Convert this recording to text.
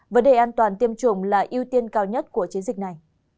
vấn đề an toàn tiêm chủng là ưu tiên cao nhất của chiến dịch này